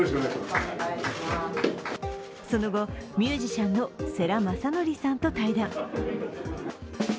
その後、ミュージシャンの世良公則さんと対談。